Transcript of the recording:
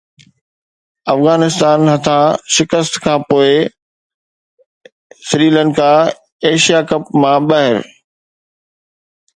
افغانستان هٿان شڪست کانپوءِ سريلنڪا ايشيا ڪپ مان ٻاهر